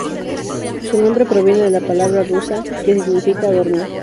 Su nombre proviene de la palabra rusa "баюкать", que significa dormir.